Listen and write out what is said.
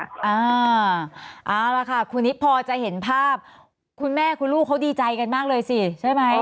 เอาล่ะค่ะคุณนิดพอจะเห็นภาพคุณแม่คุณลูกเขาดีใจกันมากเลยสิใช่ไหม